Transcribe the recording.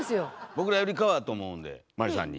僕らよりかはと思うんでマリさんに。